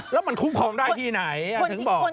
แล้วมันคุ้มครองได้ที่ไหนถึงบอก